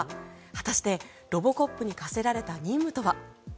果たして、ロボコップに課せられた任務とは。